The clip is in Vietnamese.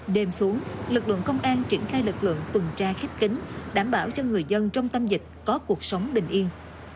đêm xuống lực lượng công an triển khai lực lượng tuần tra khép kính đảm bảo cho người dân trong tâm dịch có cuộc sống bình yên